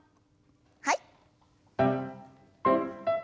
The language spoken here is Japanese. はい。